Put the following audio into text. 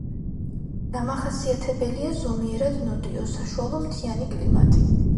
დამახასიათებელია ზომიერად ნოტიო საშუალო მთიანი კლიმატი.